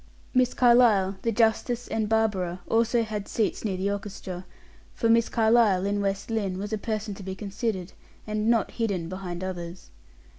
Miss Carlyle, the justice, and Barbara also had seats near the orchestra; for Miss Carlyle, in West Lynne, was a person to be considered, and not hidden behind others.